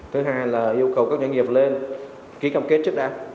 thứ hai là yêu cầu các doanh nghiệp lên ký cam kết trước đã